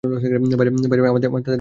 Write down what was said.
বাইরে তাদের বাবা-মা কান্না করছে।